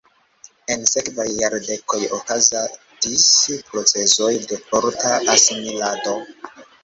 En sekvaj jardekoj okazadis procezoj de forta asimilado.